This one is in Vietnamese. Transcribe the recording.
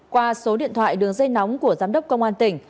qua số điện thoại đường dây nóng của giám đốc công an tỉnh